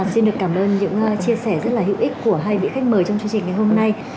xin được cảm ơn những chia sẻ rất là hữu ích của hai vị khách mời trong chương trình ngày hôm nay